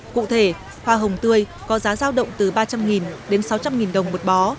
cụ thể hoa hồng tươi có giá giao động từ ba trăm linh đến sáu trăm linh đồng một bó